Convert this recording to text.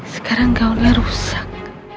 sekarang gaunnya rusak